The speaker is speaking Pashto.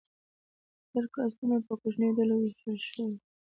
ستر کاستونه په کوچنیو ډلو وویشل شول.